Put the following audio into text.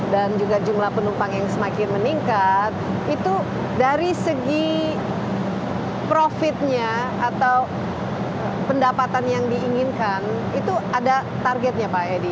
dan juga jumlah penumpang yang semakin meningkat itu dari segi profitnya atau pendapatan yang diinginkan itu ada targetnya pak edi